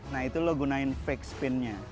nah itu lo gunain fake spin nya